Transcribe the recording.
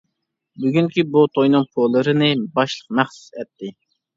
بۈگۈنكى بۇ توينىڭ پولىرىنى باشلىق مەخسۇس ئەتتى.